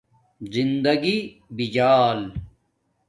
زندگݵ بجالی